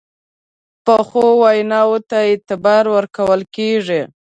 پخو وینا ته اعتبار ورکول کېږي